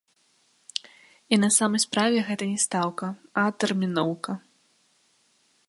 І на самай справе гэта не стаўка, а адтэрміноўка.